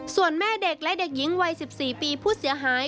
ส่วนแม่เด็กและเด็กหญิงวัย๑๔ปีผู้เสียหาย